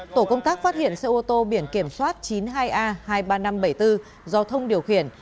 tổ công tác phát hiện xe ô tô biển kiểm soát chín mươi hai a hai mươi ba nghìn năm trăm bảy mươi bốn do thông điều khiển